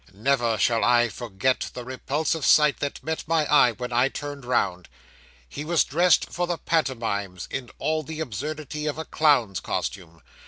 Never shall I forget the repulsive sight that met my eye when I turned round. He was dressed for the pantomimes in all the absurdity of a clown's costume.